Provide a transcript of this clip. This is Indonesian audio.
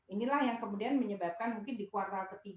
inilah yang kemudian menyebabkan mungkin di kuartal ke tiga